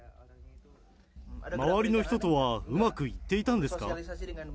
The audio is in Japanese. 周りの人とはうまくいっていたんですか？